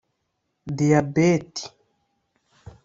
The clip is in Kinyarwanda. diyabeti